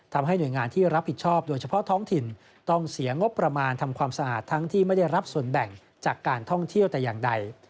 ทำให้หน่วยงานที่รับผิดชอบโดยเฉพาะท้องถิ่นต้องเสียงบประมาณทำความสะอาดทั้งที่ไม่ได้รับส่วนแบ่งจากการท่องเที่ยวแต่อย่างใด